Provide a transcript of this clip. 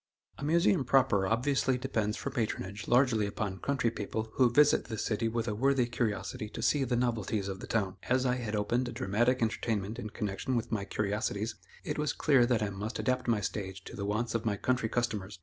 A Museum proper obviously depends for patronage largely upon country people who visit the city with a worthy curiosity to see the novelties of the town. As I had opened a dramatic entertainment in connection with my curiosities, it was clear that I must adapt my stage to the wants of my country customers.